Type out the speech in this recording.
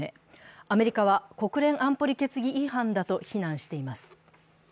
アメリカは国連安保理決議違反だと非難しています。